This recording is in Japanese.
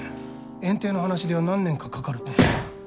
園丁の話では何年かかかると。